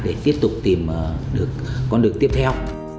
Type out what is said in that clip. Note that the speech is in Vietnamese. để tiếp tục tìm con đường tiếp theo